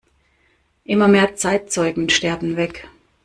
Immer mehr Zeitzeugen sterben weg.